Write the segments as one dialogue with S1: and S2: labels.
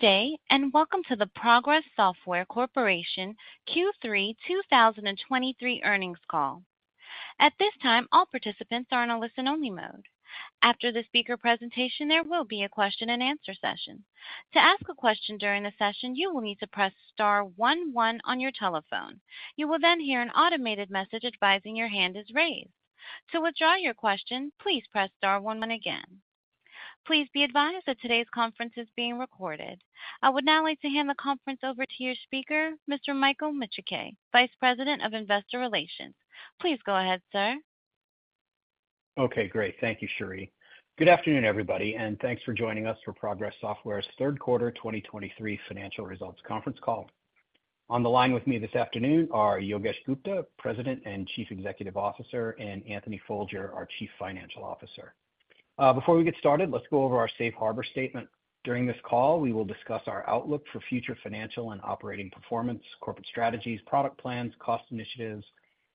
S1: Good day, and welcome to the Progress Software Corporation Q3 2023 earnings call. At this time, all participants are in a listen-only mode. After the speaker presentation, there will be a question-and-answer session. To ask a question during the session, you will need to press star one one on your telephone. You will then hear an automated message advising your hand is raised. To withdraw your question, please press star one one again. Please be advised that today's conference is being recorded. I would now like to hand the conference over to your speaker, Mr. Michael Micciche, Vice President of Investor Relations. Please go ahead, sir.
S2: Okay, great. Thank you, Sherry. Good afternoon, everybody, and thanks for joining us for Progress Software's third quarter 2023 financial results conference call. On the line with me this afternoon are Yogesh Gupta, President and Chief Executive Officer, and Anthony Folger, our Chief Financial Officer. Before we get started, let's go over our safe harbor statement. During this call, we will discuss our outlook for future financial and operating performance, corporate strategies, product plans, cost initiatives,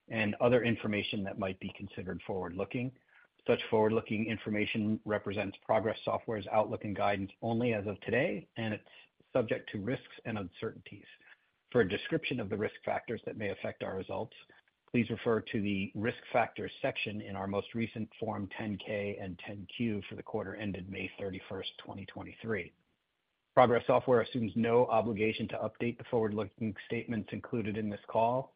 S2: and other information that might be considered forward-looking. Such forward-looking information represents Progress Software's outlook and guidance only as of today, and it's subject to risks and uncertainties. For a description of the risk factors that may affect our results, please refer to the Risk Factors section in our most recent Form 10-K and 10-Q for the quarter ended May 31, 2023. Progress Software assumes no obligation to update the forward-looking statements included in this call.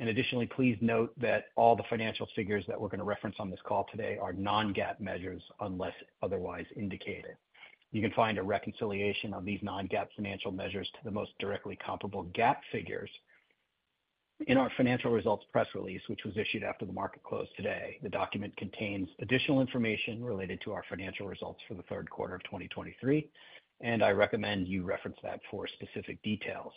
S2: Additionally, please note that all the financial figures that we're going to reference on this call today are non-GAAP measures, unless otherwise indicated. You can find a reconciliation of these non-GAAP financial measures to the most directly comparable GAAP figures in our financial results press release, which was issued after the market closed today. The document contains additional information related to our financial results for the third quarter of 2023, and I recommend you reference that for specific details.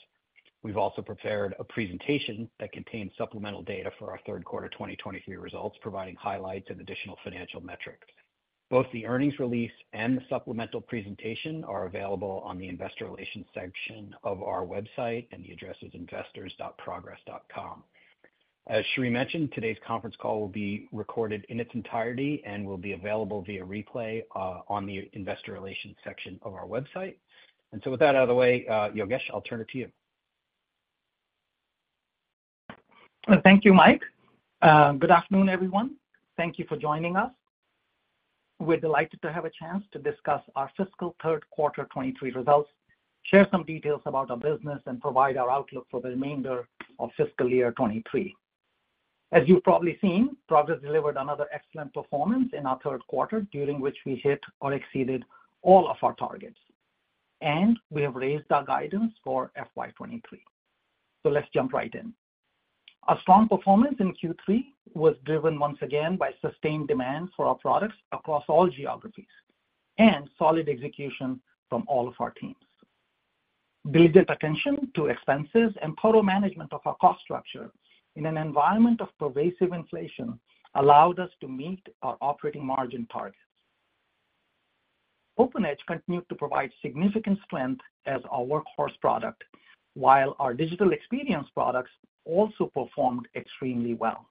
S2: We've also prepared a presentation that contains supplemental data for our third quarter 2023 results, providing highlights and additional financial metrics. Both the earnings release and the supplemental presentation are available on the investor relations section of our website, and the address is investors.progress.com. As Sherry mentioned, today's conference call will be recorded in its entirety and will be available via replay, on the investor relations section of our website. And so with that out of the way, Yogesh, I'll turn it to you.
S3: Thank you, Mike. Good afternoon, everyone. Thank you for joining us. We're delighted to have a chance to discuss our fiscal third quarter 2023 results, share some details about our business, and provide our outlook for the remainder of fiscal year 2023. As you've probably seen, Progress delivered another excellent performance in our third quarter, during which we hit or exceeded all of our targets, and we have raised our guidance for FY 2023. Let's jump right in. Our strong performance in Q3 was driven once again by sustained demand for our products across all geographies, and solid execution from all of our teams. Vigilant attention to expenses and total management of our cost structure in an environment of pervasive inflation allowed us to meet our operating margin targets. OpenEdge continued to provide significant strength as our workhorse product, while our digital experience products also performed extremely well.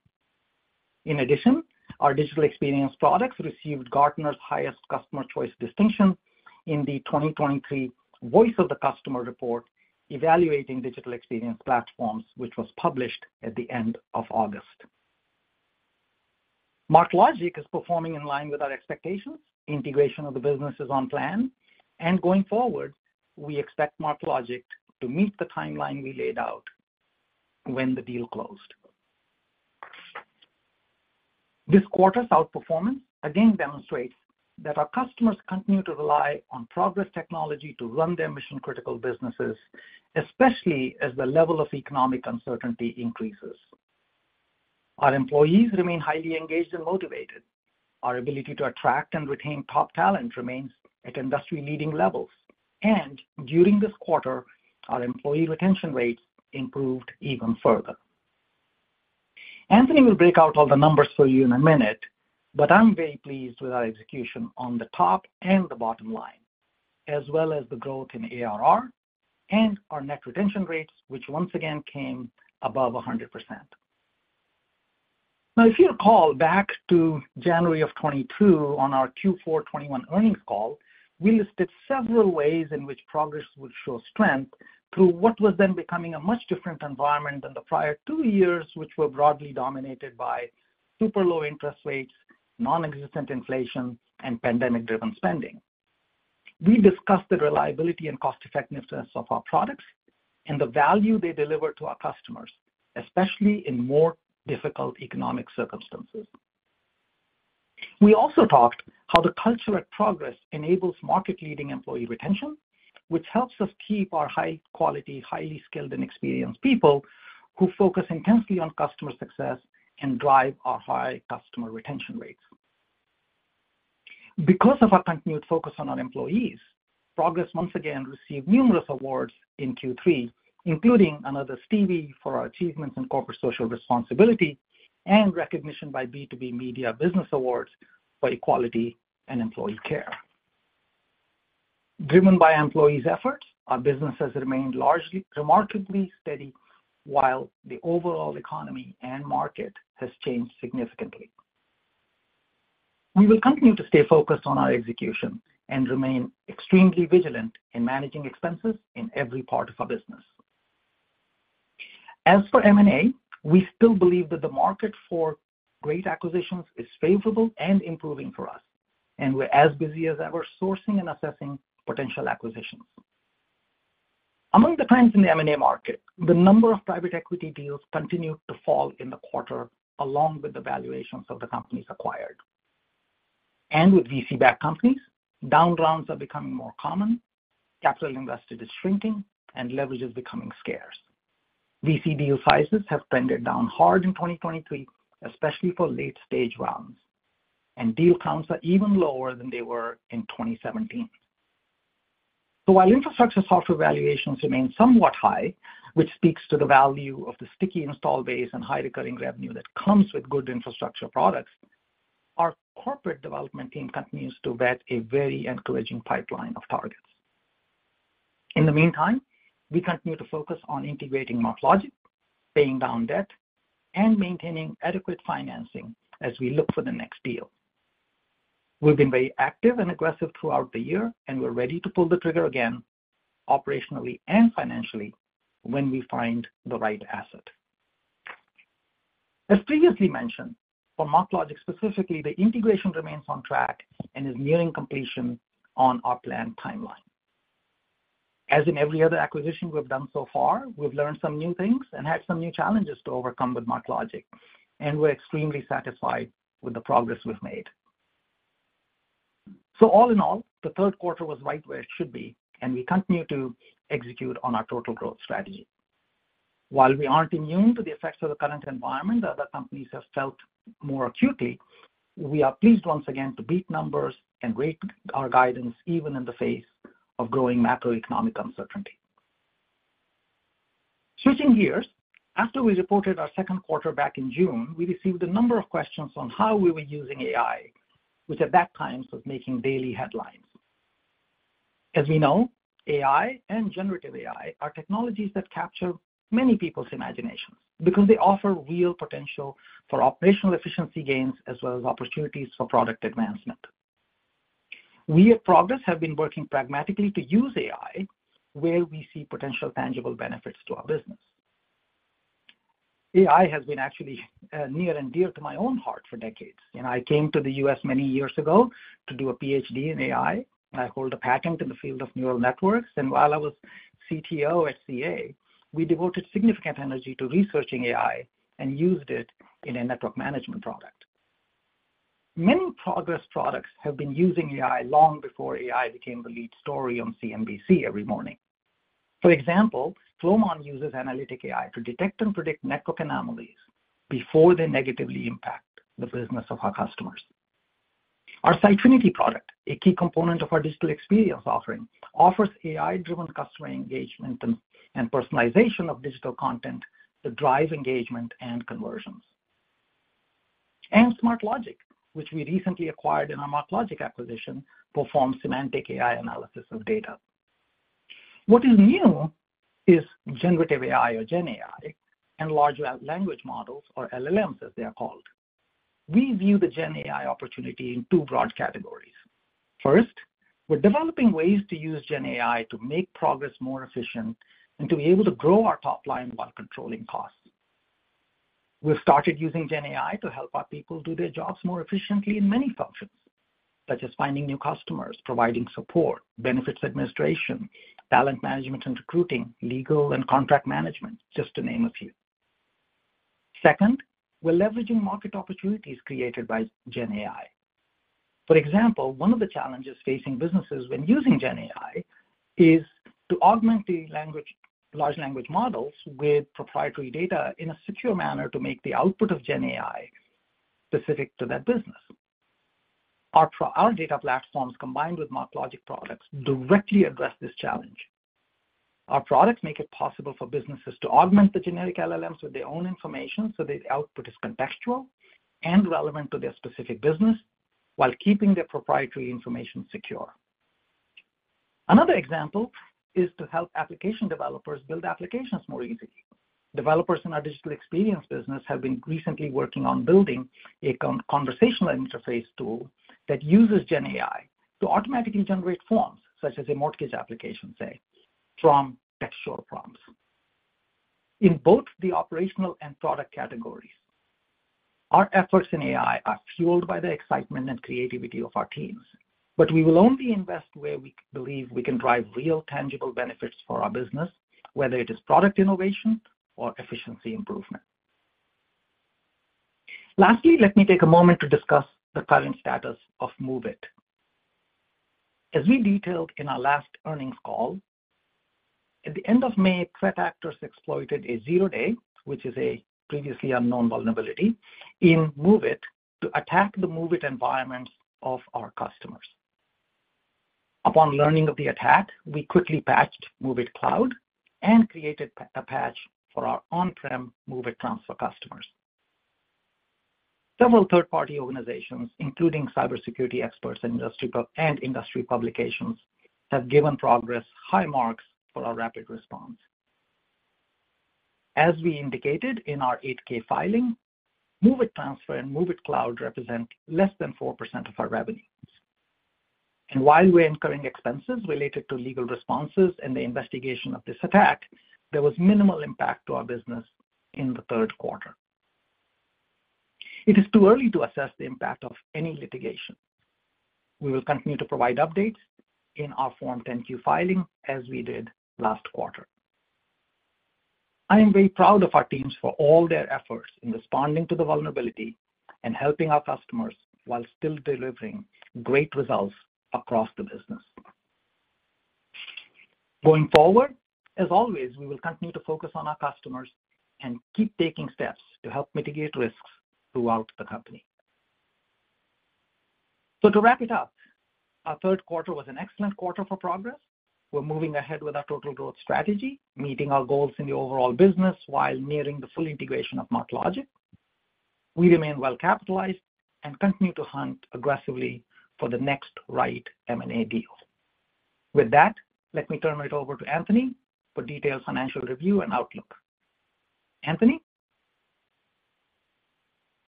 S3: In addition, our digital experience products received Gartner's highest customer choice distinction in the 2023 Voice of the Customer report, evaluating digital experience platforms, which was published at the end of August. MarkLogic is performing in line with our expectations. Integration of the business is on plan, and going forward, we expect MarkLogic to meet the timeline we laid out when the deal closed. This quarter's outperformance again demonstrates that our customers continue to rely on Progress technology to run their mission-critical businesses, especially as the level of economic uncertainty increases. Our employees remain highly engaged and motivated. Our ability to attract and retain top talent remains at industry-leading levels, and during this quarter, our employee retention rates improved even further. Anthony will break out all the numbers for you in a minute, but I'm very pleased with our execution on the top and the bottom line, as well as the growth in ARR and our net retention rates, which once again came above 100%. Now, if you recall, back to January of 2022, on our Q4 2021 earnings call, we listed several ways in which Progress would show strength through what was then becoming a much different environment than the prior two years, which were broadly dominated by super low interest rates, non-existent inflation, and pandemic-driven spending. We discussed the reliability and cost-effectiveness of our products and the value they deliver to our customers, especially in more difficult economic circumstances. We also talked how the culture at Progress enables market-leading employee retention, which helps us keep our high-quality, highly skilled, and experienced people who focus intensely on customer success and drive our high customer retention rates. Because of our continued focus on our employees, Progress once again received numerous awards in Q3, including another Stevie for our achievements in corporate social responsibility and recognition by B2B Media Business Awards for equality and employee care. Driven by employees' efforts, our business has remained largely remarkably steady, while the overall economy and market has changed significantly. We will continue to stay focused on our execution and remain extremely vigilant in managing expenses in every part of our business. As for M&A, we still believe that the market for great acquisitions is favorable and improving for us, and we're as busy as ever, sourcing and assessing potential acquisitions. Among the trends in the M&A market, the number of private equity deals continued to fall in the quarter, along with the valuations of the companies acquired. With VC-backed companies, down rounds are becoming more common, capital invested is shrinking, and leverage is becoming scarce. VC deal sizes have trended down hard in 2023, especially for late-stage rounds, and deal counts are even lower than they were in 2017. So while infrastructure software valuations remain somewhat high, which speaks to the value of the sticky install base and high recurring revenue that comes with good infrastructure products, our corporate development team continues to vet a very encouraging pipeline of targets. In the meantime, we continue to focus on integrating MarkLogic, paying down debt, and maintaining adequate financing as we look for the next deal. We've been very active and aggressive throughout the year, and we're ready to pull the trigger again, operationally and financially, when we find the right asset. As previously mentioned, for MarkLogic specifically, the integration remains on track and is nearing completion on our planned timeline. As in every other acquisition we've done so far, we've learned some new things and had some new challenges to overcome with MarkLogic, and we're extremely satisfied with the progress we've made. So all in all, the third quarter was right where it should be, and we continue to execute on our total growth strategy. While we aren't immune to the effects of the current environment that other companies have felt more acutely, we are pleased once again to beat numbers and raise our guidance even in the face of growing macroeconomic uncertainty. Switching gears, after we reported our second quarter back in June, we received a number of questions on how we were using AI, which at that time was making daily headlines. As we know, AI and generative AI are technologies that capture many people's imaginations because they offer real potential for operational efficiency gains, as well as opportunities for product advancement. We at Progress have been working pragmatically to use AI where we see potential tangible benefits to our business. AI has been actually near and dear to my own heart for decades. You know, I came to the U.S. many years ago to do a PhD in AI. I hold a patent in the field of neural networks, and while I was CTO at CA, we devoted significant energy to researching AI and used it in a network management product. Many Progress products have been using AI long before AI became the lead story on CNBC every morning. For example, Flowmon uses analytic AI to detect and predict network anomalies before they negatively impact the business of our customers. Our Sitefinity product, a key component of our digital experience offering, offers AI-driven customer engagement and personalization of digital content to drive engagement and conversions. And Smartlogic, which we recently acquired in our MarkLogic acquisition, performs semantic AI analysis of data. What is new is Gen AI, and large language models, or LLMs, as they are called. Gen AI opportunity in two broad categories. First, we're developing Gen AI to make progress more efficient and to be able to grow our top line while controlling costs. Gen AI to help our people do their jobs more efficiently in many functions, such as finding new customers, providing support, benefits administration, talent management and recruiting, legal and contract management, just to name a few. Second, we're leveraging market Gen AI. for example, one of the challenges facing Gen AI is to augment large language models with proprietary data in a secure manner to make Gen AI specific to their business. Our data platforms, combined with MarkLogic products, directly address this challenge. Our products make it possible for businesses to augment the generic LLMs with their own information so the output is contextual and relevant to their specific business while keeping their proprietary information secure. Another example is to help application developers build applications more easily. Developers in our digital experience business have been recently working on building a conversational interface Gen AI to automatically generate forms, such as a mortgage application, say, from textual prompts. In both the operational and product categories, our efforts in AI are fueled by the excitement and creativity of our teams, but we will only invest where we believe we can drive real, tangible benefits for our business, whether it is product innovation or efficiency improvement. Lastly, let me take a moment to discuss the current status of MOVEit. As we detailed in our last earnings call, at the end of May, threat actors exploited a zero-day, which is a previously unknown vulnerability, in MOVEit to attack the MOVEit environments of our customers. Upon learning of the attack, we quickly patched MOVEit Cloud and created a patch for our on-prem MOVEit Transfer customers. Several third-party organizations, including cybersecurity experts and industrial and industry publications, have given Progress high marks for our rapid response. As we indicated in our 8-K filing, MOVEit Transfer and MOVEit Cloud represent less than 4% of our revenues. And while we're incurring expenses related to legal responses and the investigation of this attack, there was minimal impact to our business in the third quarter. It is too early to assess the impact of any litigation. We will continue to provide updates in our Form 10-Q filing, as we did last quarter. I am very proud of our teams for all their efforts in responding to the vulnerability and helping our customers while still delivering great results across the business. Going forward, as always, we will continue to focus on our customers and keep taking steps to help mitigate risks throughout the company. So to wrap it up, our third quarter was an excellent quarter for Progress. We're moving ahead with our total growth strategy, meeting our goals in the overall business, while nearing the full integration of MarkLogic. We remain well capitalized and continue to hunt aggressively for the next right M&A deal. With that, let me turn it over to Anthony for detailed financial review and outlook. Anthony?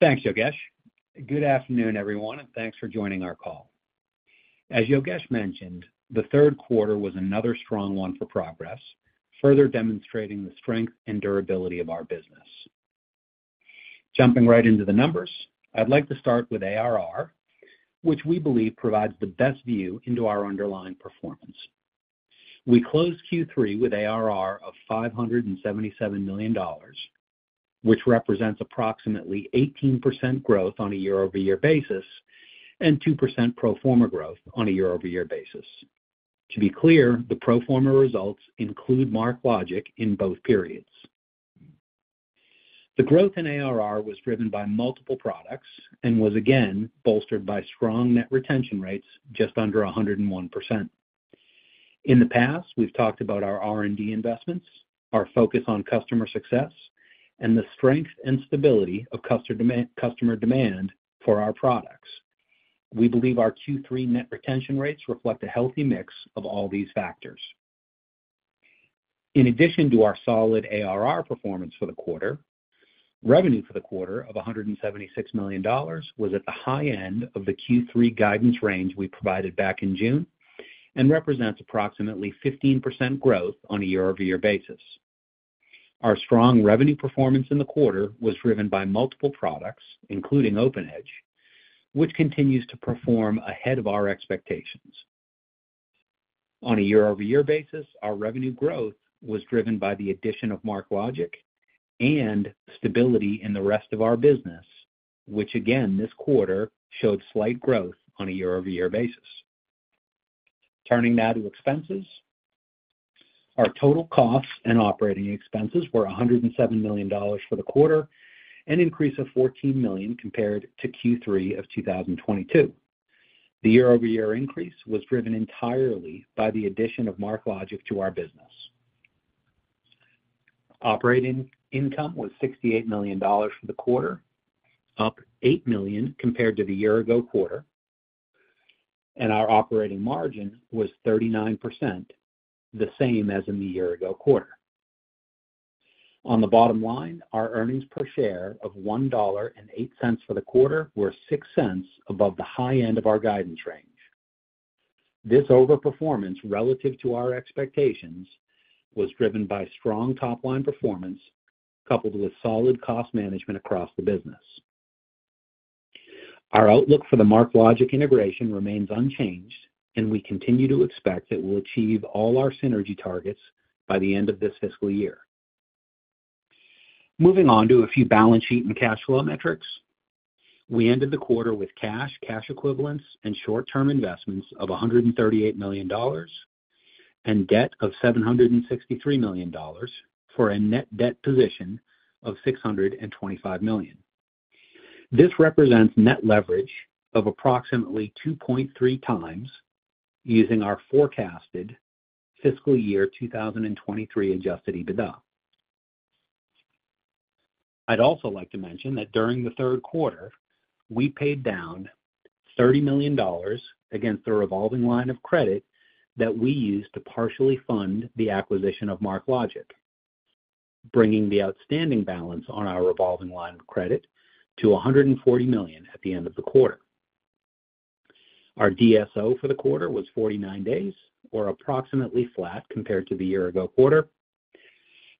S4: Thanks, Yogesh. Good afternoon, everyone, and thanks for joining our call. As Yogesh mentioned, the third quarter was another strong one for Progress, further demonstrating the strength and durability of our business. Jumping right into the numbers, I'd like to start with ARR, which we believe provides the best view into our underlying performance. We closed Q3 with ARR of $577 million, which represents approximately 18% growth on a year-over-year basis and 2% pro forma growth on a year-over-year basis. To be clear, the pro forma results include MarkLogic in both periods. The growth in ARR was driven by multiple products and was again bolstered by strong net retention rates, just under 101%. In the past, we've talked about our R&D investments, our focus on customer success, and the strength and stability of customer demand, customer demand for our products. We believe our Q3 net retention rates reflect a healthy mix of all these factors. In addition to our solid ARR performance for the quarter, revenue for the quarter of $176 million was at the high end of the Q3 guidance range we provided back in June and represents approximately 15% growth on a year-over-year basis. Our strong revenue performance in the quarter was driven by multiple products, including OpenEdge, which continues to perform ahead of our expectations. On a year-over-year basis, our revenue growth was driven by the addition of MarkLogic and stability in the rest of our business, which again, this quarter showed slight growth on a year-over-year basis. Turning now to expenses. Our total costs and operating expenses were $107 million for the quarter, an increase of $14 million compared to Q3 of 2022. The year-over-year increase was driven entirely by the addition of MarkLogic to our business. Operating income was $68 million for the quarter, up $8 million compared to the year-ago quarter, and our operating margin was 39%, the same as in the year-ago quarter. On the bottom line, our earnings per share of $1.08 for the quarter were $0.06 above the high end of our guidance range. This overperformance relative to our expectations was driven by strong top-line performance, coupled with solid cost management across the business. Our outlook for the MarkLogic integration remains unchanged, and we continue to expect that we'll achieve all our synergy targets by the end of this fiscal year. Moving on to a few balance sheet and cash flow metrics. We ended the quarter with cash, cash equivalents, and short-term investments of $138 million and debt of $763 million, for a net debt position of $625 million. This represents net leverage of approximately 2.3x using our forecasted fiscal year 2023 adjusted EBITDA. I'd also like to mention that during the third quarter, we paid down $30 million against the revolving line of credit that we used to partially fund the acquisition of MarkLogic, bringing the outstanding balance on our revolving line of credit to $140 million at the end of the quarter. Our DSO for the quarter was 49 days, or approximately flat compared to the year ago quarter.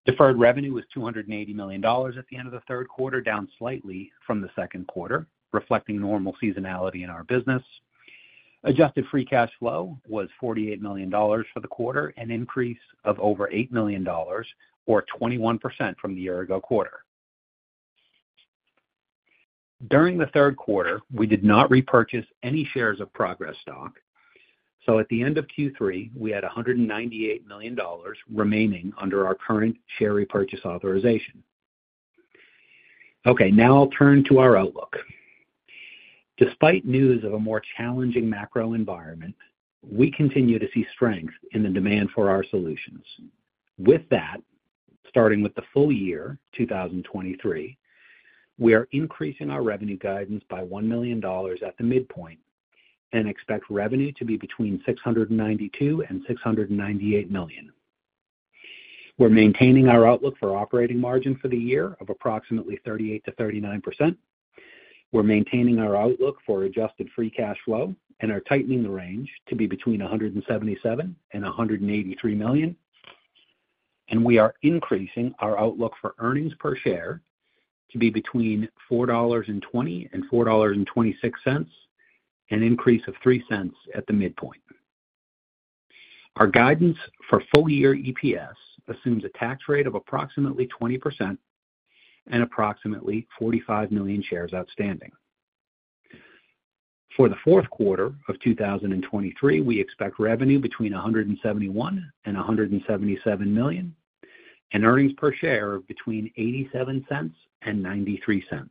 S4: Deferred revenue was $280 million at the end of the third quarter, down slightly from the second quarter, reflecting normal seasonality in our business. Adjusted free cash flow was $48 million for the quarter, an increase of over $8 million, or 21% from the year ago quarter. During the third quarter, we did not repurchase any shares of Progress stock, so at the end of Q3, we had $198 million remaining under our current share repurchase authorization. Okay, now I'll turn to our outlook. Despite news of a more challenging macro environment, we continue to see strength in the demand for our solutions. With that, starting with the full year 2023, we are increasing our revenue guidance by $1 million at the midpoint and expect revenue to be between $692 million and $698 million. We're maintaining our outlook for operating margin for the year of approximately 38%-39%. We're maintaining our outlook for adjusted free cash flow and are tightening the range to be between $177 million and $183 million. And we are increasing our outlook for earnings per share to be between $4.20 and $4.26, an increase of $0.03 at the midpoint. Our guidance for full year EPS assumes a tax rate of approximately 20% and approximately 45 million shares outstanding. For the fourth quarter of 2023, we expect revenue between $171 million and $177 million, and earnings per share between $0.87 and $0.93.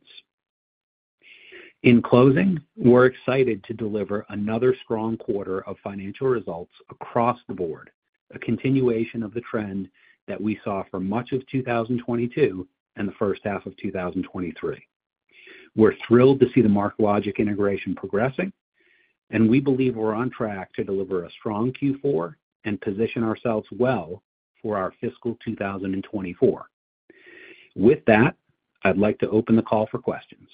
S4: In closing, we're excited to deliver another strong quarter of financial results across the board, a continuation of the trend that we saw for much of 2022 and the first half of 2023. We're thrilled to see the MarkLogic integration progressing, and we believe we're on track to deliver a strong Q4 and position ourselves well for our fiscal 2024. With that, I'd like to open the call for questions.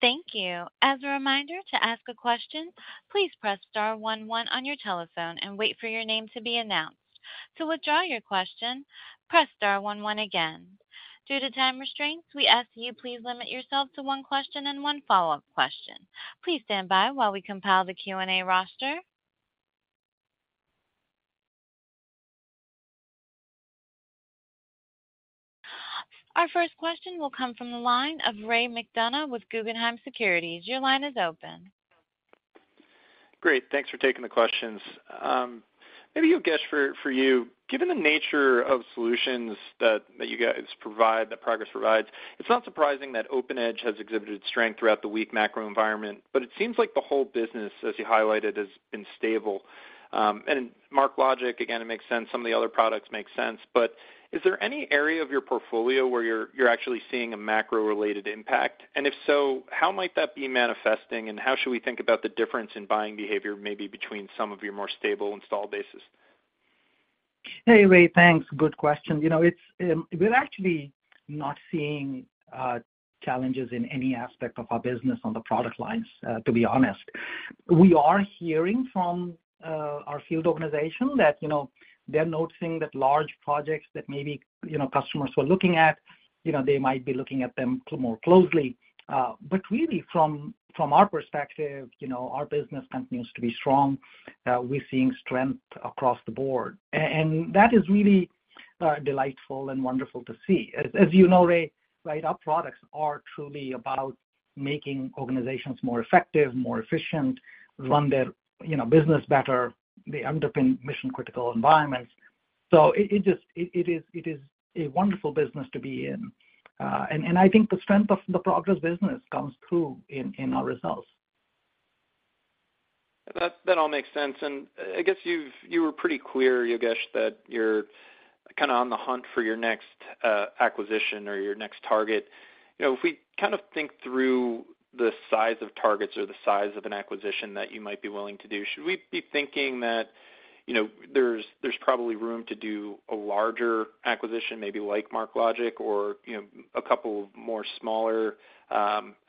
S1: Thank you. As a reminder to ask a question, please press star one one on your telephone and wait for your name to be announced. To withdraw your question, press star one one again. Due to time restraints, we ask you please limit yourself to one question and one follow-up question. Please stand by while we compile the Q&A roster. Our first question will come from the line of Ray McDonough with Guggenheim Securities. Your line is open.
S5: Great, thanks for taking the questions. Maybe a question for you. Given the nature of solutions that you guys provide, that Progress provides, it's not surprising that OpenEdge has exhibited strength throughout the weak macro environment, but it seems like the whole business, as you highlighted, has been stable. And MarkLogic, again, it makes sense. Some of the other products make sense. But is there any area of your portfolio where you're actually seeing a macro-related impact? And if so, how might that be manifesting, and how should we think about the difference in buying behavior, maybe between some of your more stable installed bases?
S3: Hey, Ray, thanks. Good question. You know, it's... We're actually not seeing challenges in any aspect of our business on the product lines, to be honest. We are hearing from our field organization that, you know, they're noticing that large projects that maybe, you know, customers were looking at, you know, they might be looking at them more closely. But really from our perspective, you know, our business continues to be strong. We're seeing strength across the board, and that is really delightful and wonderful to see. As you know, Ray, right, our products are truly about making organizations more effective, more efficient, run their, you know, business better. They underpin mission-critical environments. So it just, it is a wonderful business to be in. I think the strength of the Progress business comes through in our results.
S5: That, that all makes sense. And I guess you've, you were pretty clear, Yogesh, that you're kind of on the hunt for your next acquisition or your next target. You know, if we kind of think through the size of targets or the size of an acquisition that you might be willing to do, should we be thinking that, you know, there's probably room to do a larger acquisition, maybe like MarkLogic or, you know, a couple more smaller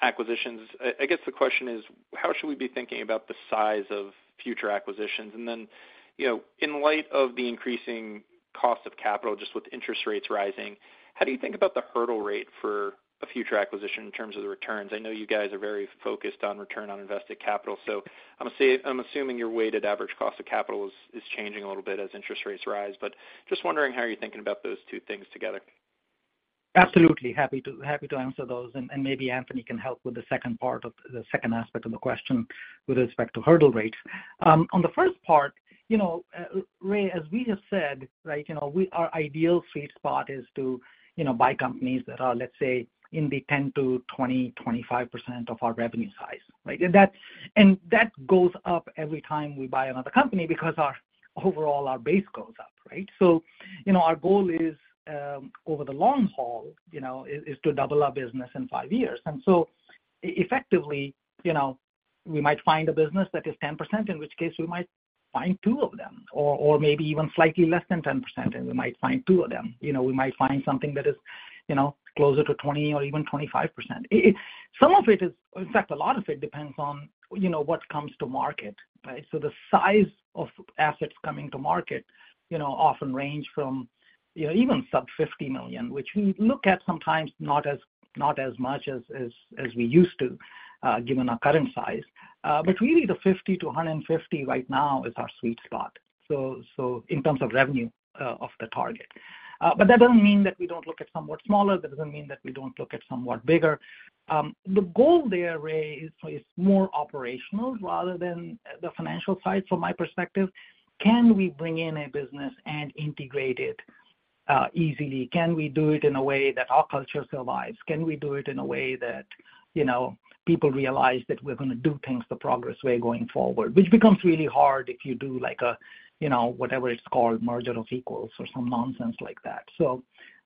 S5: acquisitions? I guess the question is: How should we be thinking about the size of future acquisitions? And then, you know, in light of the increasing cost of capital, just with interest rates rising, how do you think about the hurdle rate for a future acquisition in terms of the returns? I know you guys are very focused on return on invested capital, so I'm assuming your weighted average cost of capital is changing a little bit as interest rates rise. But just wondering how you're thinking about those two things together.
S3: Absolutely. Happy to, happy to answer those, and, and maybe Anthony can help with the second part of the second aspect of the question with respect to hurdle rates. On the first part, you know, Ray, as we have said, right, you know, we, our ideal sweet spot is to, you know, buy companies that are, let's say, in the 10%-25% of our revenue size, right? And that, and that goes up every time we buy another company because our overall, our base goes up, right? So, you know, our goal is, over the long haul, you know, is, is to double our business in five years. And so effectively, you know, we might find a business that is 10%, in which case we might find two of them, or maybe even slightly less than 10%, and we might find two of them. You know, we might find something that is, you know, closer to 20% or even 25%. It—some of it is, in fact, a lot of it depends on, you know, what comes to market, right? So the size of assets coming to market, you know, often range from, you know, even sub-$50 million, which we look at sometimes not as much as we used to, given our current size. But really, the $50 million-$150 million right now is our sweet spot, so in terms of revenue of the target. But that doesn't mean that we don't look at somewhat smaller. That doesn't mean that we don't look at somewhat bigger. The goal there, Ray, is more operational rather than the financial side, from my perspective. Can we bring in a business and integrate it? Easily? Can we do it in a way that our culture survives? Can we do it in a way that, you know, people realize that we're gonna do things the Progress way going forward? Which becomes really hard if you do like a, you know, whatever it's called, merger of equals or some nonsense like that. So,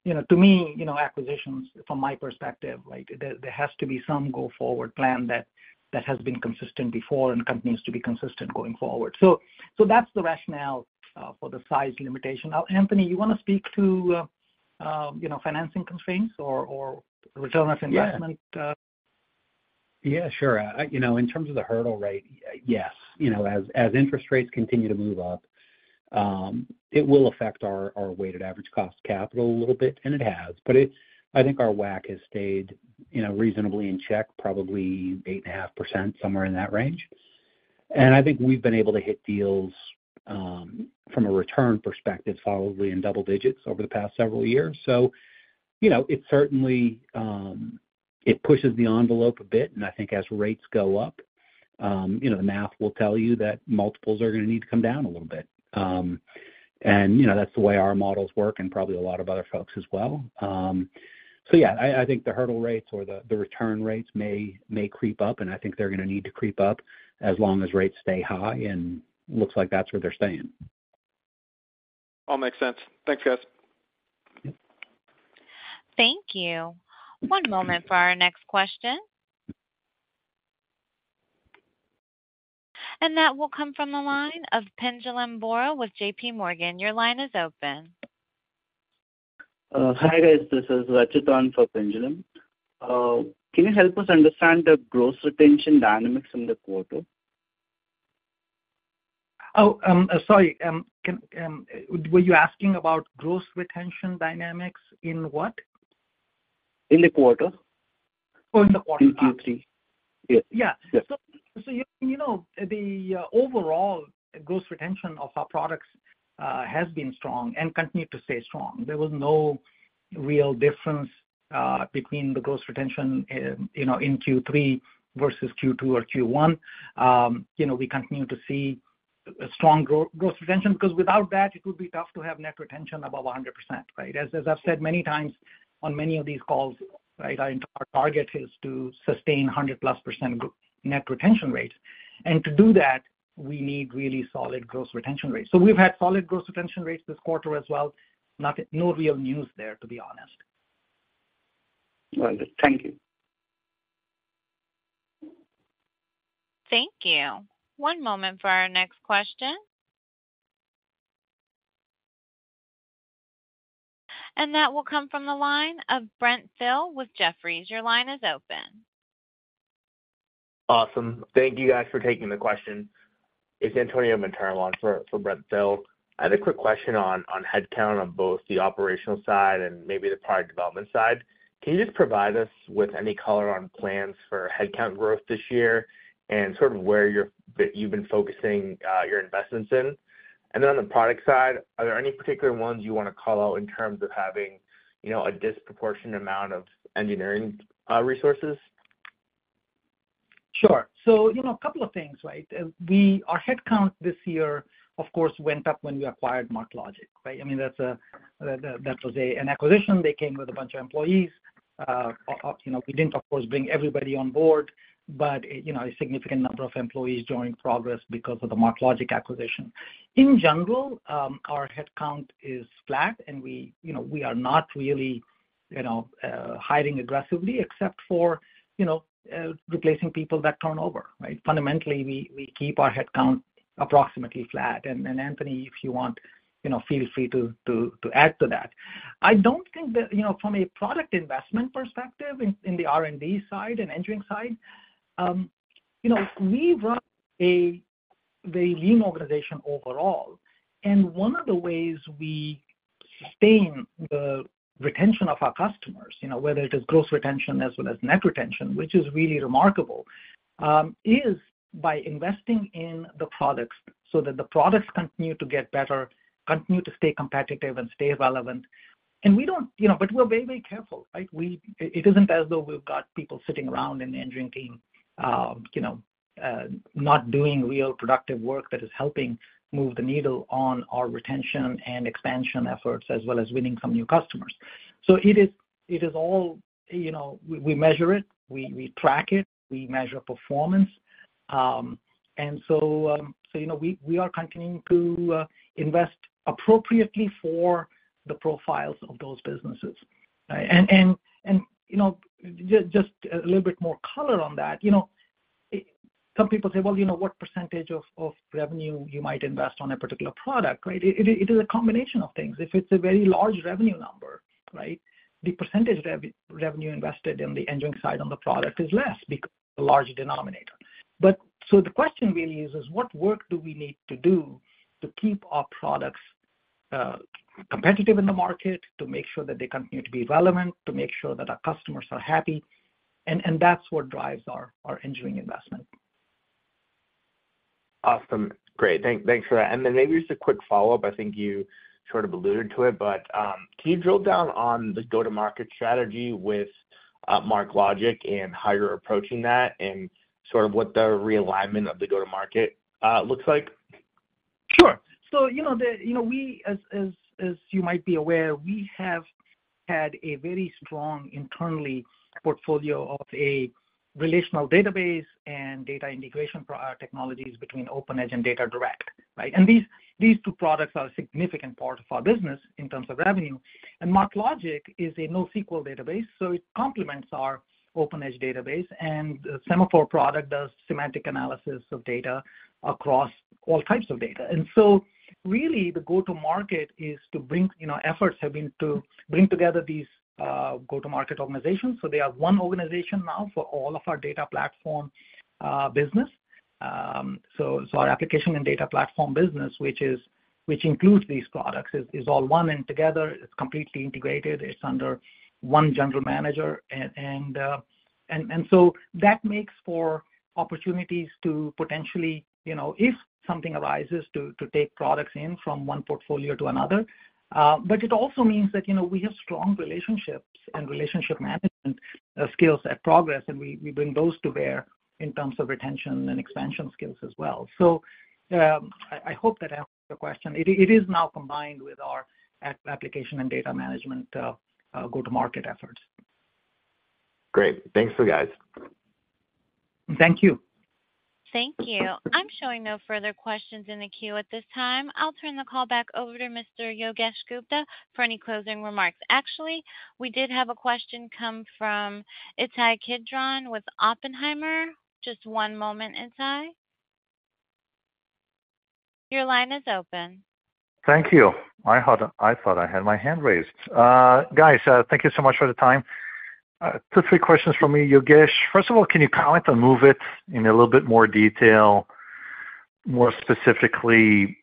S3: you know, to me, you know, acquisitions from my perspective, like, there has to be some go-forward plan that has been consistent before and continues to be consistent going forward. So that's the rationale for the size limitation. Now, Anthony, you wanna speak to, you know, financing constraints or, or return on investment?
S4: Yeah. Yeah, sure. You know, in terms of the hurdle rate, yes, you know, as interest rates continue to move up, it will affect our weighted average cost of capital a little bit, and it has. But it. I think our WACC has stayed, you know, reasonably in check, probably 8.5%, somewhere in that range. And I think we've been able to hit deals, from a return perspective, solidly in double digits over the past several years. So you know, it certainly, it pushes the envelope a bit, and I think as rates go up, you know, the math will tell you that multiples are gonna need to come down a little bit. And, you know, that's the way our models work and probably a lot of other folks as well. So yeah, I think the hurdle rates or the return rates may creep up, and I think they're gonna need to creep up as long as rates stay high, and looks like that's where they're staying.
S1: All makes sense. Thanks, guys. Thank you. One moment for our next question. That will come from the line of Pinjalim Bora with JPMorgan. Your line is open.
S6: Hi, guys, this is Rachitan for Pinjalim. Can you help us understand the gross retention dynamics in the quarter?
S3: Oh, sorry. Were you asking about gross retention dynamics in what?
S6: In the quarter.
S3: Oh, in the quarter.
S6: Q3. Yes.
S3: Yeah.
S6: Yes.
S3: So, you know, the overall gross retention of our products has been strong and continue to stay strong. There was no real difference between the gross retention, you know, in Q3 versus Q2 or Q1. You know, we continue to see a strong gross retention, 'cause without that, it would be tough to have net retention above 100%, right? As I've said many times on many of these calls, right, our target is to sustain 100%+ net retention rate. And to do that, we need really solid gross retention rates. So we've had solid gross retention rates this quarter as well. No real news there, to be honest.
S6: Understood. Thank you.
S1: Thank you. One moment for our next question. That will come from the line of Brent Thill with Jefferies. Your line is open.
S7: Awesome. Thank you guys for taking the question. It's Antonio Venturim for, for Brent Thill. I had a quick question on, on headcount on both the operational side and maybe the product development side. Can you just provide us with any color on plans for headcount growth this year and sort of where you're, you've been focusing your investments in? And then on the product side, are there any particular ones you wanna call out in terms of having, you know, a disproportionate amount of engineering resources?
S3: Sure. So, you know, a couple of things, right? Our headcount this year, of course, went up when we acquired MarkLogic, right? I mean, that's a, that was an acquisition. They came with a bunch of employees. You know, we didn't, of course, bring everybody on board, but, you know, a significant number of employees joined Progress because of the MarkLogic acquisition. In general, our headcount is flat, and we, you know, we are not really, you know, hiring aggressively except for, you know, replacing people that turn over, right? Fundamentally, we keep our headcount approximately flat. And Anthony, if you want, you know, feel free to add to that. I don't think that, you know, from a product investment perspective in the R&D side and engineering side, you know, we run a very lean organization overall. And one of the ways we sustain the retention of our customers, you know, whether it is gross retention as well as net retention, which is really remarkable, is by investing in the products so that the products continue to get better, continue to stay competitive and stay relevant. And we don't... You know, but we're very, very careful, right? We, it isn't as though we've got people sitting around in the engineering team, you know, not doing real productive work that is helping move the needle on our retention and expansion efforts, as well as winning some new customers. So it is all, you know, we measure it, we track it, we measure performance. You know, we are continuing to invest appropriately for the profiles of those businesses, right? And you know, just a little bit more color on that, you know, some people say, "Well, you know, what percentage of revenue you might invest on a particular product," right? It is a combination of things. If it's a very large revenue number, right, the percentage revenue invested in the engineering side on the product is less because a large denominator. But so the question really is, what work do we need to do to keep our products competitive in the market, to make sure that they continue to be relevant, to make sure that our customers are happy? And that's what drives our engineering investment.
S7: Awesome. Great. Thanks for that. And then maybe just a quick follow-up. I think you sort of alluded to it, but can you drill down on the go-to-market strategy with MarkLogic and how you're approaching that, and sort of what the realignment of the go-to-market looks like?
S3: Sure. So, you know, we as you might be aware, we have had a very strong internally portfolio of a relational database and data integration for our technologies between OpenEdge and DataDirect, right? And these two products are a significant part of our business in terms of revenue. And MarkLogic is a NoSQL database, so it complements our OpenEdge database, and Semaphore product does semantic analysis of data across all types of data. And so really, the go-to-market is to bring, you know, efforts have been to bring together these go-to-market organizations. So they are one organization now for all of our data platform business. So our application and data platform business, which includes these products, is all one and together. It's completely integrated.It's under one general manager. So that makes for opportunities to potentially, you know, if something arises, to take products in from one portfolio to another. But it also means that, you know, we have strong relationships and relationship management skills at Progress, and we bring those to bear in terms of retention and expansion skills as well. So, I hope that answers the question. It is now combined with our application and data management go-to-market efforts.
S1: Great. Thanks, you guys.
S3: Thank you.
S1: Thank you. I'm showing no further questions in the queue at this time. I'll turn the call back over to Mr. Yogesh Gupta for any closing remarks. Actually, we did have a question come from Ittai Kidron with Oppenheimer. Just one moment, Ittai. Your line is open.
S8: Thank you. I had, I thought I had my hand raised. Guys, thank you so much for the time. Two, three questions for me, Yogesh. First of all, can you comment on MOVEit in a little bit more detail? More specifically,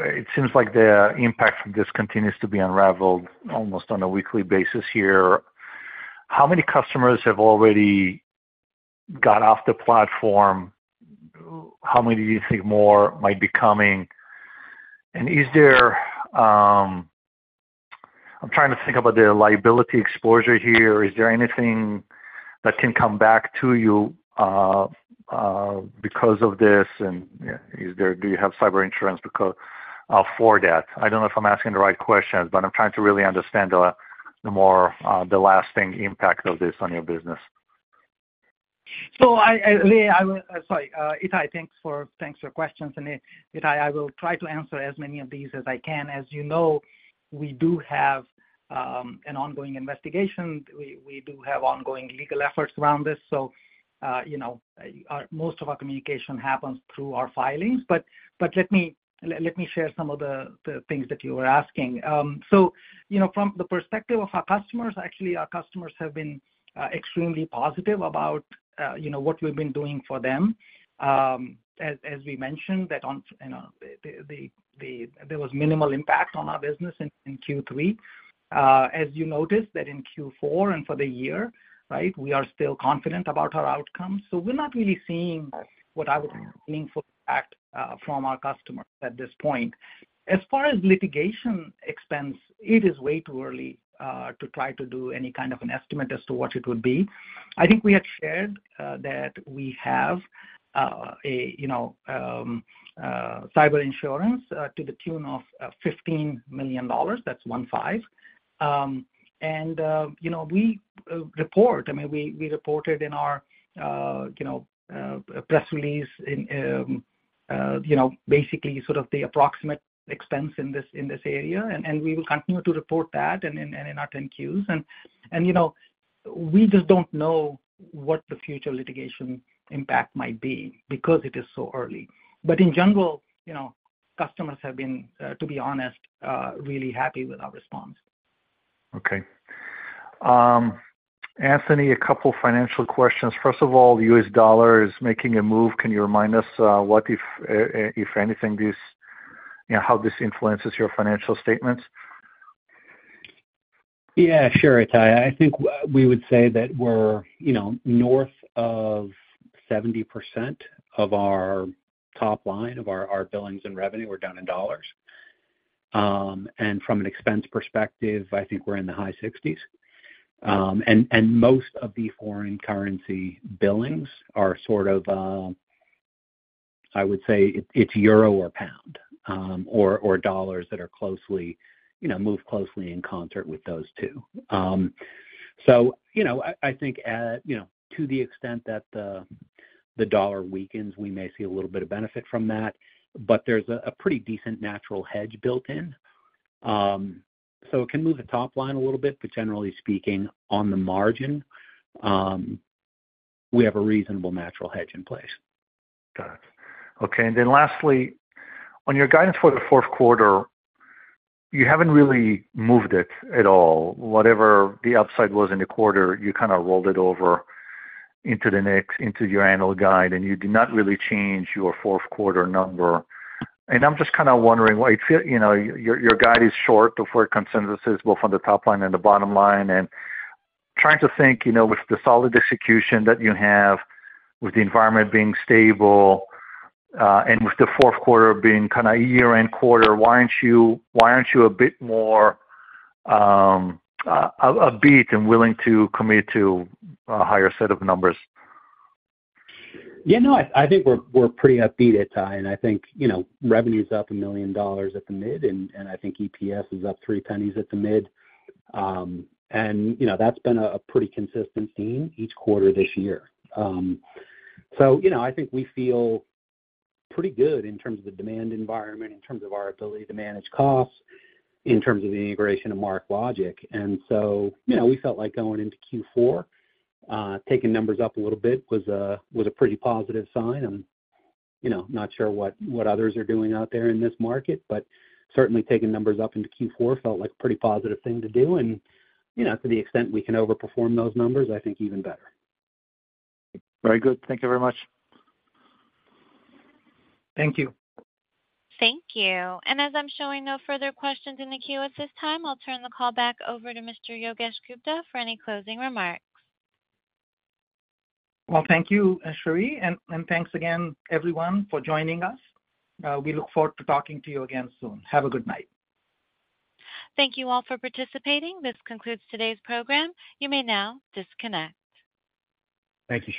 S8: it seems like the impact from this continues to be unraveled almost on a weekly basis here. How many customers have already got off the platform? How many do you think more might be coming? And is there... I'm trying to think about the liability exposure here. Is there anything that can come back to you, because of this? And, is there - do you have cyber insurance because, for that? I don't know if I'm asking the right questions, but I'm trying to really understand the, the more, the lasting impact of this on your business.
S3: So, sorry, Ittai, thanks for questions. Ittai, I will try to answer as many of these as I can. As you know, we do have an ongoing investigation. We do have ongoing legal efforts around this, so you know, most of our communication happens through our filings. But let me share some of the things that you were asking. So, you know, from the perspective of our customers, actually, our customers have been extremely positive about, you know, what we've been doing for them. As we mentioned, there was minimal impact on our business in Q3. As you noticed, in Q4 and for the year, right, we are still confident about our outcomes. So we're not really seeing what I would call meaningful impact from our customers at this point. As far as litigation expense, it is way too early to try to do any kind of an estimate as to what it would be. I think we had shared that we have a you know cyber insurance to the tune of $15 million. That's one five. And you know we report, I mean, we reported in our you know press release in you know basically sort of the approximate expense in this in this area, and we will continue to report that and in and in our 10-Qs. And you know we just don't know what the future litigation impact might be because it is so early. But in general, you know, customers have been, to be honest, really happy with our response.
S8: Okay. Anthony, a couple financial questions. First of all, the U.S. dollar is making a move. Can you remind us, what, if, if anything, this, you know, how this influences your financial statements?
S4: Yeah, sure, Ittai. I think we would say that we're, you know, north of 70% of our top line, of our, our billings and revenue, we're down in dollars. And from an expense perspective, I think we're in the high 60%. And most of the foreign currency billings are sort of, I would say it's euro or pound, or dollars that are closely, you know, move closely in concert with those two. So, you know, I think at, you know, to the extent that the dollar weakens, we may see a little bit of benefit from that, but there's a pretty decent natural hedge built in. So it can move the top line a little bit, but generally speaking, on the margin, we have a reasonable natural hedge in place.
S8: Got it. Okay, and then lastly, on your guidance for the fourth quarter, you haven't really moved it at all. Whatever the upside was in the quarter, you kind of rolled it over into the next, into your annual guide, and you did not really change your fourth quarter number. And I'm just kind of wondering why, it feel, you know, your guide is short before consensus is both on the top line and the bottom line. And trying to think, you know, with the solid execution that you have, with the environment being stable, and with the fourth quarter being kind of a year-end quarter, why aren't you a bit more upbeat and willing to commit to a higher set of numbers?
S4: Yeah, no, I think we're pretty upbeat, Ittai, and I think, you know, revenue's up $1 million at the mid, and I think EPS is up $0.03 at the mid. And, you know, that's been a pretty consistent theme each quarter this year. So you know, I think we feel pretty good in terms of the demand environment, in terms of our ability to manage costs, in terms of the integration of MarkLogic. And so, you know, we felt like going into Q4, taking numbers up a little bit was a pretty positive sign. And, you know, not sure what others are doing out there in this market, but certainly taking numbers up into Q4 felt like a pretty positive thing to do. And, you know, to the extent we can overperform those numbers, I think even better.
S8: Very good. Thank you very much.
S3: Thank you.
S1: Thank you. As I'm showing no further questions in the queue at this time, I'll turn the call back over to Mr. Yogesh Gupta for any closing remarks.
S3: Well, thank you, Sherry, and thanks again, everyone, for joining us. We look forward to talking to you again soon. Have a good night.
S1: Thank you all for participating. This concludes today's program. You may now disconnect.
S4: Thank you, Sherry.